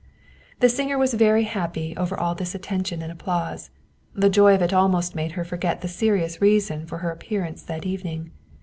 The singer was very happy over all this attention and applause. The joy of it almost made her forget the seri ous reason for her appearance that evening.